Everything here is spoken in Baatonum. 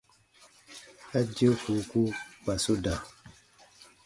A dio fuuku kpa su da.